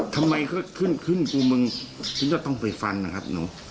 ทำไมก็ขึ้นคุณมึงคุณก็ต้องไปฟันนะครับ